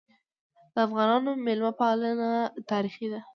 د افغانانو مېلمه پالنه تاریخي ده.